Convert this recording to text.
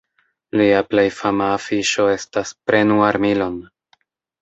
Lia plej fama afiŝo estas "Prenu armilon!".